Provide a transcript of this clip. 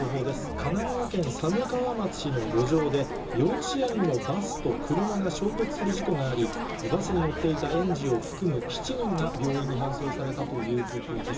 神奈川県寒川町の路上で、幼稚園のバスと車が衝突する事故があり、バスに乗っていた園児を含む７人が病院に搬送されたということです。